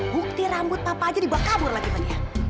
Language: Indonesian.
bukti rambut papa aja dibawa kabur lagi ma